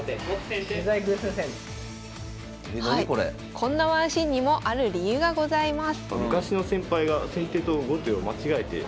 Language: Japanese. こんなワンシーンにもある理由がございます。